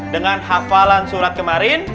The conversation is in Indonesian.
dengan hafalan surat kemarin